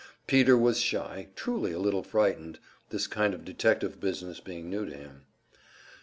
Peter was shy, truly a little frightened, this kind of detective business being new to him.